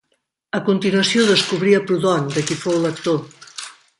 A continuació, descobrí a Proudhon, de qui fou lector.